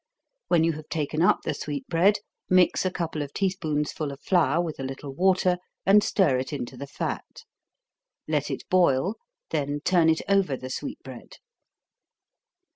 When you have taken up the sweet bread, mix a couple of tea spoonsful of flour with a little water, and stir it into the fat let it boil, then turn it over the sweet bread.